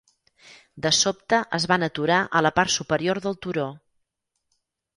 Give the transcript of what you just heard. De sobte es van aturar a la part superior del turó.